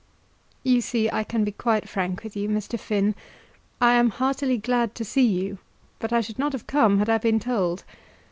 "You see I can be quite frank with you, Mr. Finn. I am heartily glad to see you, but I should not have come had I been told.